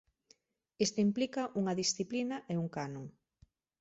Isto implica unha disciplina e un canon.